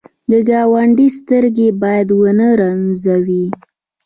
د ګاونډي سترګې باید ونه رنځوې